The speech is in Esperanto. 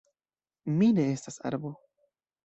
Mi ne estas arbo.